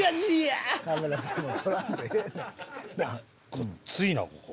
ごっついなここ。